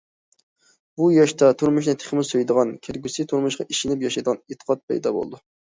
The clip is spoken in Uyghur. بۇ ياشتا تۇرمۇشنى تېخىمۇ سۆيىدىغان، كەلگۈسى تۇرمۇشقا ئىشىنىپ ياشايدىغان ئېتىقاد پەيدا بولىدۇ.